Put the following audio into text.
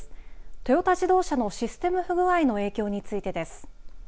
トヨタ自動車のシステム不具合の影響についてです。